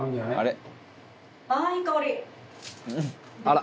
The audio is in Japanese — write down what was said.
「あら！」